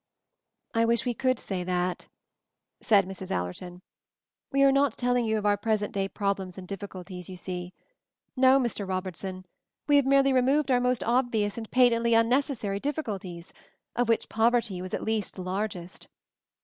"I wish we could say that," said Mrs. Al MOVING THE MOUNTAIN 141 lerton. "We axe not telling you of our present day problems and difficulties, you see. No, Mr. Robertson, we have merely removed our most obvious and patently un necessary difficulties, of which poverty was at least the largest.